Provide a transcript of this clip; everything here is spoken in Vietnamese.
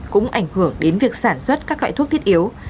cũng ảnh hưởng đến việc sản xuất các loại thuốc thiết yếu